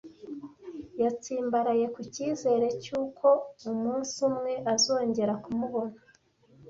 Yatsimbaraye ku cyizere cy'uko umunsi umwe azongera kumubona.